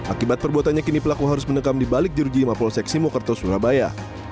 akibat perbuatannya kini pelaku harus menekam di balik juruji lima puluh seksi mokerto surabaya